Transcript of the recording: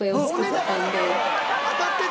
当たってた。